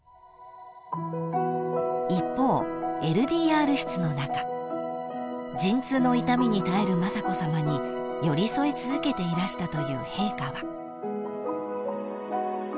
［一方ＬＤＲ室の中陣痛の痛みに耐える雅子さまに寄り添い続けていらしたという陛下は］